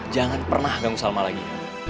jangan pernah ganggu salma lagi